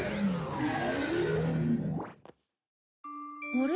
あれ？